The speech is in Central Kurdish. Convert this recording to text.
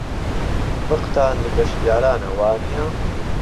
ڕقتان لە گەشتیارانە، وانییە؟